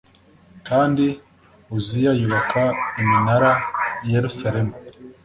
kandi uziya yubaka iminara i yerusalemu